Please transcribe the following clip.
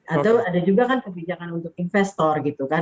atau ada juga kan kebijakan untuk investor gitu kan